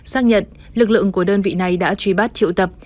xác nhận lực lượng của đơn vị này đã truy bắt triệu tập